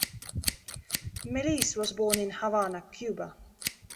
Melis was born in Havana, Cuba.